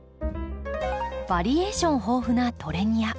バリエーション豊富なトレニア。